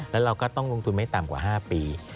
แล้วเราก็ต้องลงทุนไม่ต่ำกว่า๕ปี